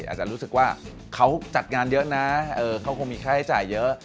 อาจจะรู้สึกว่าเขาจัดงานเยอะนะเขาคงมีค่าใช้จ่ายเยอะ